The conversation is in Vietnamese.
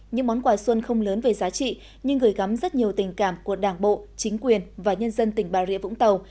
những món quà xuân không lớn về giá trị nhưng gửi gắm rất nhiều tình cảm của đảng bộ chính quyền và nhân dân tỉnh bà rịa vũng tàu